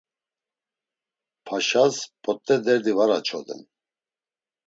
Paşas p̌ot̆e derdi var açoden.